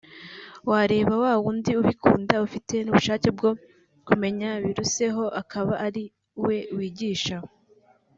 wareba wa wundi ubikunda ufite n’ubushake bwo kumenya biruseho akaba ari we wigisha